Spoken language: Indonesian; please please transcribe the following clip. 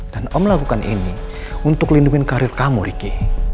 dan om melakukan ini untuk lindungin karir kamu ricky